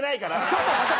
ちょっと待て！